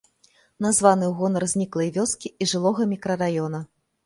Названы ў гонар зніклай вёскі і жылога мікрараёна.